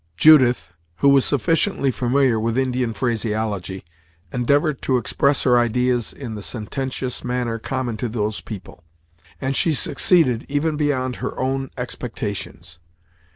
Judith, who was sufficiently familiar with Indian phraseology, endeavored to express her ideas in the sententious manner common to those people, and she succeeded even beyond her own expectations.